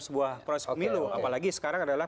sebuah proses pemilu apalagi sekarang adalah